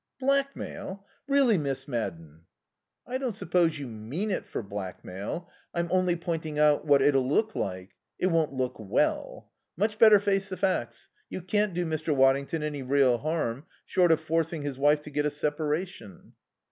"Blackmail? Really, Miss Madden " "I don't suppose you mean it for blackmail; I'm only pointing out what it'll look like. It won't look well.... Much better face the facts. You can't do Mr. Waddington any real harm, short of forcing his wife to get a separation."